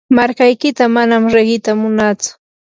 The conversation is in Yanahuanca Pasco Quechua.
markaykita manam riqita munatsu.